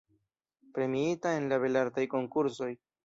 Premiita en la Belartaj Konkursoj.